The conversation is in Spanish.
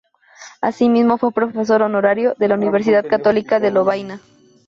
Asimismo, fue profesor honorario de la Universidad Católica de Lovaina.